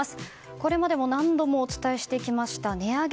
これまでも何度もお伝えしてきました値上げ